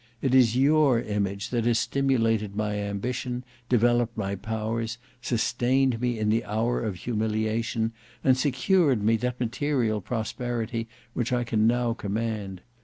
It is your image that has stimulated my ambition, developed my powers, sustained me in the hour of humiliation, and secured me that material prosperity which I can now command.